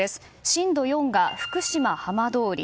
震度４が福島浜通り